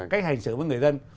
cách hành xử với người dân